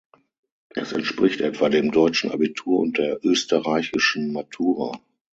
Es entspricht etwa dem deutschen Abitur und der österreichischen Matura.